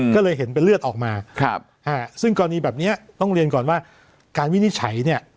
ก็เลยเห็นเป็นเลือดออกมาซึ่งกรณีแบบนี้ต้องเรียนก่อนว่าการวินิจฉัยเนี่ย